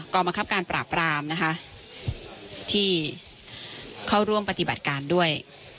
บังคับการปราบรามนะคะที่เข้าร่วมปฏิบัติการด้วย